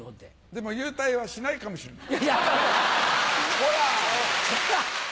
でも勇退はしないかもしれない。